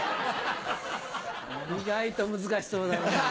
意外と難しそうだな。